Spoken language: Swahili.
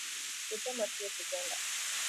kusema sio kutenda